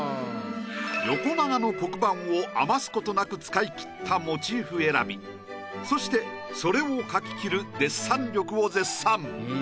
横長の黒板を余すことなく使いきったモチーフ選びそしてそれを描ききるデッサン力を絶賛。